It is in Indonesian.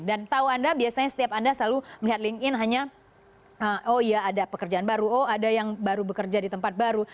dan tahu anda biasanya setiap anda selalu melihat linkedin hanya oh iya ada pekerjaan baru oh ada yang baru bekerja di tempat baru